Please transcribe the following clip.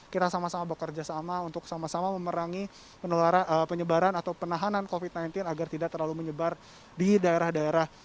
kita sama sama bekerja sama untuk sama sama memerangi penyebaran atau penahanan covid sembilan belas agar tidak terlalu menyebar di daerah daerah